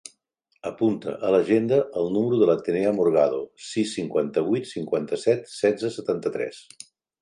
Apunta a l'agenda el número de l'Atenea Morgado: sis, cinquanta-vuit, cinquanta-set, setze, setanta-tres.